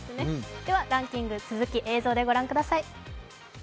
ではランキング、続き映像でご覧ください。